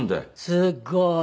すっごい。